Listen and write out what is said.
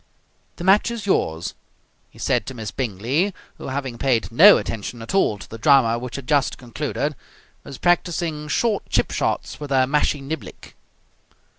"The match is yours," he said to Miss Bingley, who, having paid no attention at all to the drama which had just concluded, was practising short chip shots with her mashie niblick.